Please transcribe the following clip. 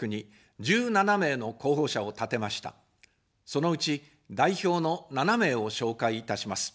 そのうち、代表の７名を紹介いたします。